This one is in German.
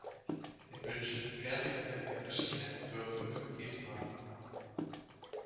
In München fertigte er verschiedene Entwürfe für Briefmarken an.